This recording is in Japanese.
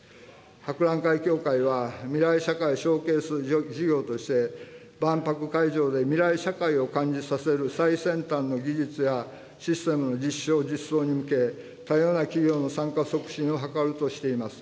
博覧会協会は、未来社会ショーケース事業として、万博会場で未来社会を感じさせる最先端の技術やシステムの実証・実装に向け、多様な企業の参加促進を図るとしています。